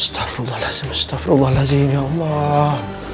astaghfirullahaladzim astaghfirullahaladzim ya allah